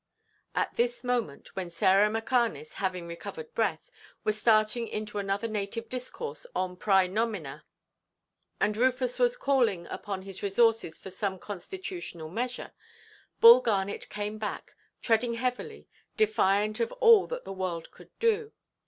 At this moment, when Sarah Mackarness, having recovered breath, was starting into another native discourse on prænomina, and Rufus was calling upon his resources for some constitutional measure, Bull Garnet came back, treading heavily, defiant of all that the world could do.